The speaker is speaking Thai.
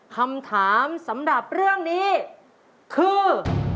คำถามสำหรับเรื่องนี้คือ